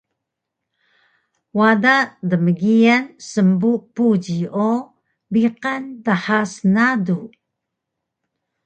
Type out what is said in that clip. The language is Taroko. Wada dmgiyal smbu buji o biqan dha snadu